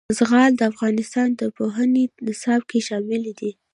زغال د افغانستان د پوهنې نصاب کې شامل دي.